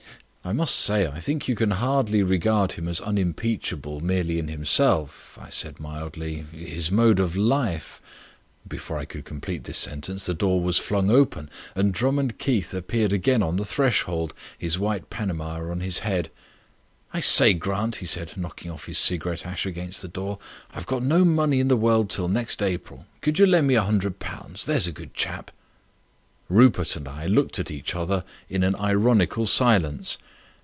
"I must say, I think you can hardly regard him as unimpeachable merely in himself," I said mildly; "his mode of life " Before I could complete the sentence the door was flung open and Drummond Keith appeared again on the threshold, his white Panama on his head. "I say, Grant," he said, knocking off his cigarette ash against the door, "I've got no money in the world till next April. Could you lend me a hundred pounds? There's a good chap." Rupert and I looked at each other in an ironical silence.